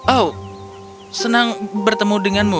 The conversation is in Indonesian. oh senang bertemu denganmu